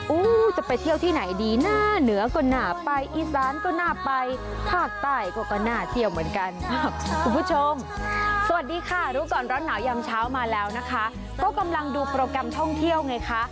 จะไปเที่ยวที่ไหนดีน่าเหนือก็น่าไปอีสานก็น่าไปภาคใต้ก็น่าเที่ยวเหมือนกันคุณผู้ชมสวัสดีค่ะรู้ก่อนร้อนหนาวยามเช้ามาแล้วนะคะก็กำลังดูโปรแกรมท่องเที่ยวไงคะ